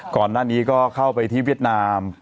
ก่อนหน้านี้ก็เข้าไปที่เวียดนาม